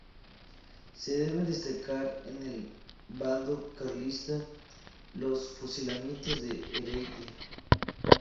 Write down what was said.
Se deben destacar en el bando carlista los fusilamientos de Heredia.